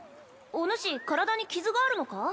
おぬし体に傷があるのか？